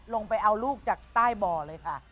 ไปเอาลูกจากใต้บ่อเลยค่ะ